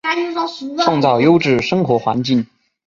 创造优质生活环境